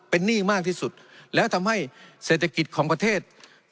เป็นหนี้มากที่สุดแล้วทำให้เศรษฐกิจของประเทศ